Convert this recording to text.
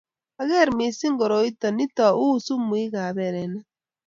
ang'er msing' koroito nito uu sumukab erene.